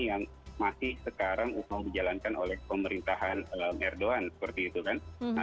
yang masih sekarang mau dijalankan oleh pemerintahan erdogan seperti itu kan